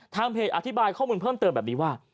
เพจอธิบายข้อมูลเพิ่มเติมแบบนี้ว่า